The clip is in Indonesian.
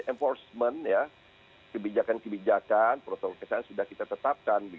enforcement ya kebijakan kebijakan protokolesnya sudah kita tetapkan